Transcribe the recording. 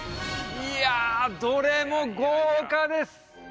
いやどれも豪華です！